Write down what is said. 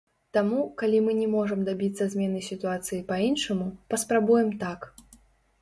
Таму, калі мы не можам дабіцца змены сітуацыі па-іншаму, паспрабуем так.